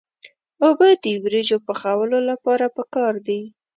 اوبه د وریجو پخولو لپاره پکار دي.